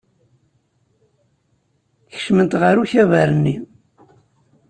Kecment ɣer ukabar-nni.